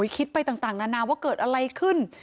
คิดไปต่างนานาว่าเกิดอะไรขึ้น